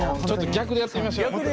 ちょっと逆でやってみましょうよ。